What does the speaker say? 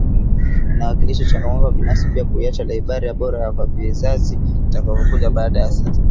Inawakilisha changamoto binafsi pia kuiacha Liberia bora kwa vizazi vitakavyokuja baada ya sisi